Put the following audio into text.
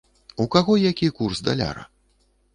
У каго які курс даляра?